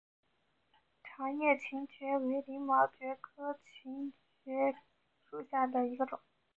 长叶黔蕨为鳞毛蕨科黔蕨属下的一个种。